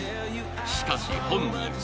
しかし、本人は